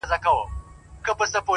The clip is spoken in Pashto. هيواد مي هم په ياد دى ـ